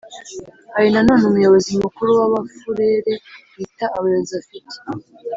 hari na none umuyobozi mukuru w'abafurere bita abayozafiti